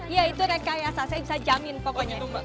ya itu rekayasa saya bisa jamin pokoknya